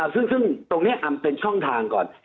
ซึ่งตรงนี้เป็นช่องทางก่อน